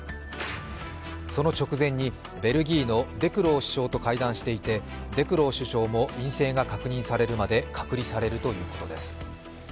その直前にベルギーのデクロー首相と会談していてデクロー首相も陰性が確認されるまで隔離するということです。